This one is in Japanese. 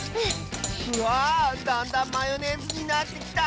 わあだんだんマヨネーズになってきた！